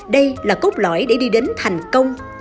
đây là cốt lõi để đi đến thành công